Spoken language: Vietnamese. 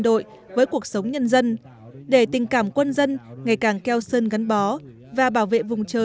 đối với nhân dân địa phương nơi đây